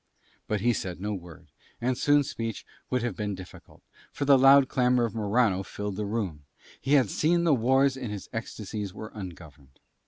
But he said no word, and soon speech would have been difficult, for the loud clamour of Morano filled the room: he had seen the wars and his ecstasies were ungoverned.